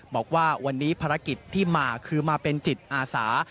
บอกว่าวันนี้ภารกิจที่มาคือมาเป็นจิตอาสา